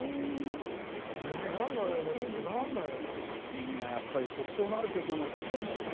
みんなやっぱり特徴のある曲が残ってるんだよね。